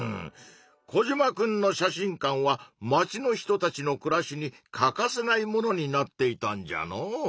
コジマくんの写真館は町の人たちの暮らしに欠かせないものになっていたんじゃのう。